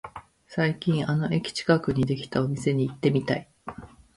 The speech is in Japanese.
最近あの駅近くにできたお店に行ってみたい